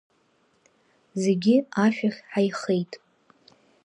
Зегьы ашә ахь ҳаихеит.